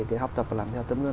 cái học tập làm theo tấm gương